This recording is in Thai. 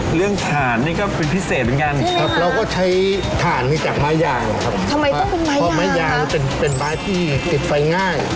เรื่องถ่านนี่ก็เป็นพิเศษเหมือนกัน